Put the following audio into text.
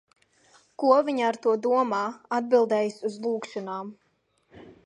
"Ko viņa ar to domā "atbildējis uz lūgšanām"?"